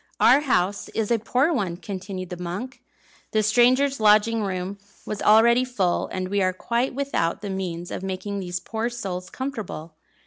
"Our house is a poor one," continued the monk. "The strangers' lodging room was already full, and we are quite without the means of making these poor souls comfortable.